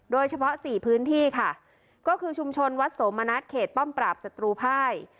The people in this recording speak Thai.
เฉพาะสี่พื้นที่ค่ะก็คือชุมชนวัดโสมณัฐเขตป้อมปราบศัตรูภาย